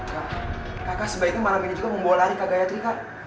kakak sebaiknya malam ini juga membawa lari ke gayatri kak